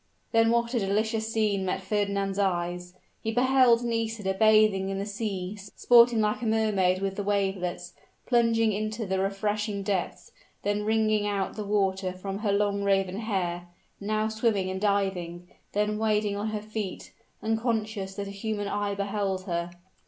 Then what a delicious scene met Fernand's eyes! He beheld Nisida bathing in the sea sporting like a mermaid with the wavelets plunging into the refreshing depths then wringing out the water from her long raven hair, now swimming and diving, then wading on her feet, unconscious that a human eye beheld her.